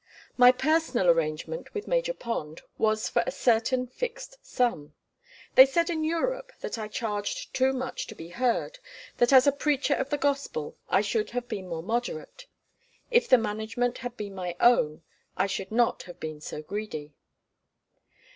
My personal arrangement with Major Pond was for a certain fixed sum. They said in Europe that I charged too much to be heard, that as a preacher of the Gospel I should have been more moderate. If the management had been my own I should not have been so greedy.